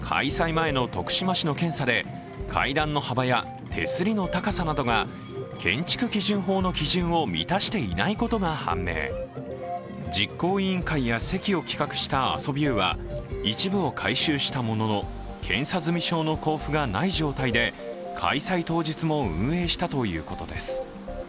前の徳島市の検査で、階段の幅や手すりの高さなどが建築基準法の基準を満たしていないことが判明実行委員会や席を企画したアソビューは一部を改修したものの検査済み証の交付がない状態で開催当日も運営したということです。